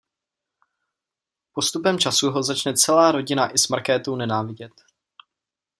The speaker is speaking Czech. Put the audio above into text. Postupem času ho začne celá rodina i s Markétou nenávidět.